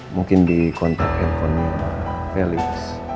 mungkin di kontak hp mbak felix